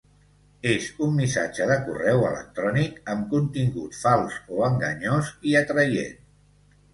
És un missatge de correu electrònic amb contingut fals o enganyós i atraient.